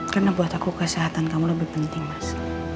karena buat aku kesehatan kamu lebih penting mas